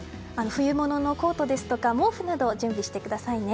冬物のコートですとか毛布などを準備してくださいね。